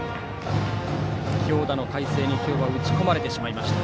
強打の海星に今日は打ち込まれてしまいました。